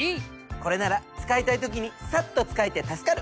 これなら使いたい時にサッと使えて助かる！